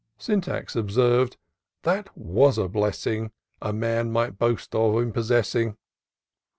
'' Syntax observ'd, " that was a blessing A man might boast of in possessing."